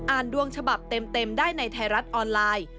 ดวงฉบับเต็มได้ในไทยรัฐออนไลน์